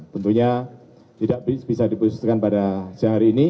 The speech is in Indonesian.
tentunya tidak bisa diposisikan pada siang hari ini